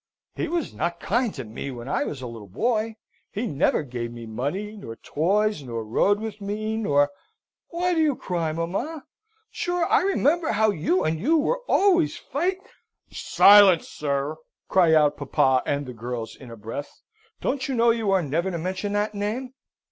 He was not kind to me when I was quite a little boy. He never gave me money, nor toys, nor rode with me, nor why do you cry, mamma? Sure I remember how Hugh and you were always fight " "Silence, sir!" cry out papa and the girls in a breath. "Don't you know you are never to mention that name?"